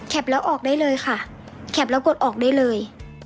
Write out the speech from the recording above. แล้วออกได้เลยค่ะแข็บแล้วกดออกได้เลย